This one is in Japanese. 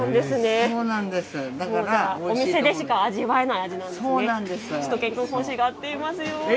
だからお店でしか会えない味わいなんですね。